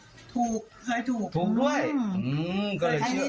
ถูกเคยถูกถูกด้วยอืมอันนี้ตัวใหญ่น่าจะโชคใหญ่